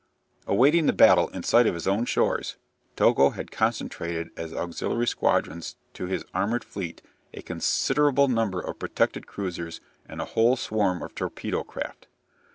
Awaiting the battle in sight of his own shores, Togo had concentrated as auxiliary squadrons to his armoured fleet a considerable number of protected cruisers and a whole swarm of torpedo craft.